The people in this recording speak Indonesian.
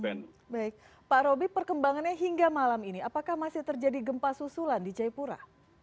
baik pak roby perkembangannya hingga malam ini apakah masih terjadi gempa susulan di jayapura